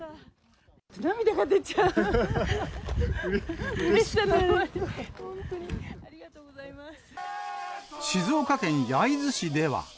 涙が出ちゃう、うれしさのあ静岡県焼津市では。